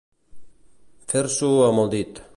Fer-s'ho amb el dit.